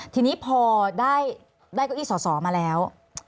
ทีนี้พอได้เก้าอี้สอสอมาแล้ว